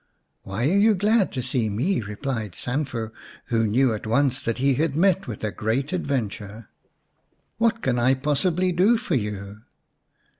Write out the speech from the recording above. " Why are you glad to see me ?" replied Sanfu, who knew at once that he had met with a great adventure. " What can I possibly do for you